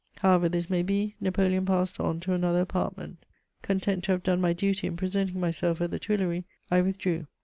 However this may be, Napoleon passed on to another apartment. Content to have done my duty in presenting myself at the Tuileries, I withdrew.